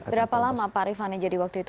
berapa lama pak arif hany jadi waktu itu